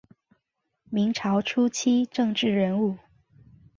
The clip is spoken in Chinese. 明朝初期政治人物。